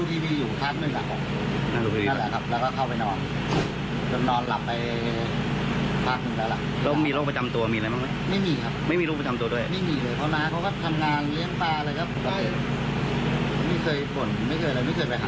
ไม่มีครับไม่มีโรคประจำตัวด้วยไม่มีเลยเพราะว่าทำงานเลี้ยงปลาอะไรครับ